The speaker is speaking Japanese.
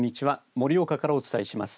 盛岡からお伝えします。